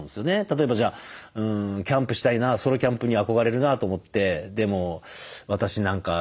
例えばじゃあキャンプしたいなソロキャンプに憧れるなと思って「でも私なんか何も知らないから」